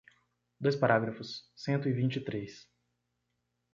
Dois parágrafos, cento e vinte e três